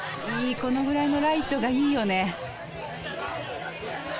このぐらいのライトがいいよね。